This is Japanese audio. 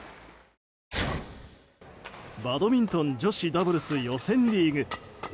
バドミントン女子ダブルス予選リーグ。